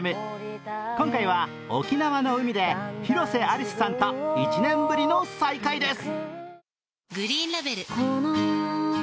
今回は沖縄の海で広瀬アリスさんと１年ぶりの再会です。